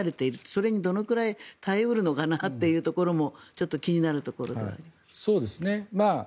それにどのくらい耐え得るのかなというところもちょっと気になるところです。